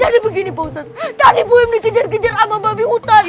jadi begini pak ustadz tadi buem dikejar kejar sama babi hutan